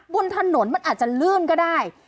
บนถนนมันอาจจะลื่นก็ได้